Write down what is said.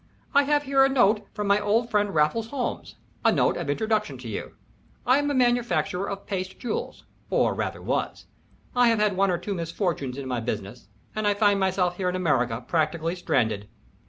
"I have here a note from my old friend Raffles Holmes a note of introduction to you. I am a manufacturer of paste jewels or rather was. I have had one or two misfortunes in my business, and find myself here in America practically stranded."